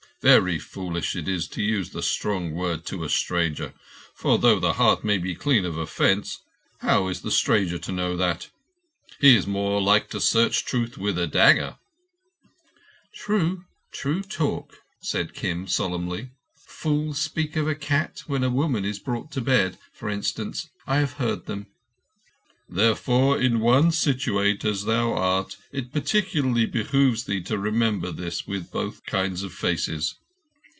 Very foolish it is to use the wrong word to a stranger; for though the heart may be clean of offence, how is the stranger to know that? He is more like to search truth with a dagger." "True. True talk," said Kim solemnly. "Fools speak of a cat when a woman is brought to bed, for instance. I have heard them." "Therefore, in one situate as thou art, it particularly behoves thee to remember this with both kinds of faces.